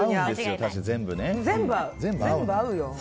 全部合うよ。